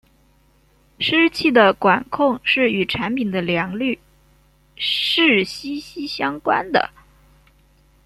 湿气的管控是与产品的良率是息息相关的。